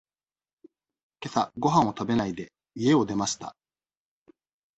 けさごはんを食べないで、家を出ました。